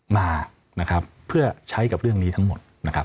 มาเพื่อใช้กับเรื่องนี้ทั้งหมด